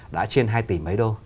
đã trên hai tỷ mấy đô